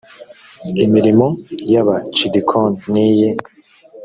imirimo ya bacidikoni niyi